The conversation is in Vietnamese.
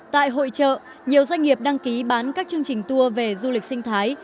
tại hội trợ nhiều doanh nghiệp đăng ký bán các chương trình tour về du lịch sinh thái